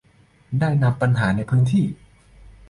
ได้นำปัญหาในพื้นที่